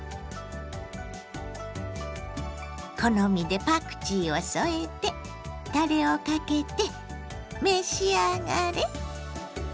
好みでパクチーを添えてたれをかけて召し上がれ！